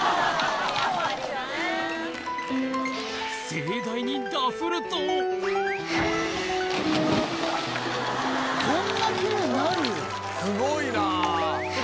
盛大にダフるとこんなキレイになる？